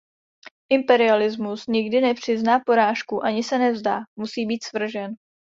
Imperialismus nikdy nepřizná porážku, ani se nevzdá, musí být svržen.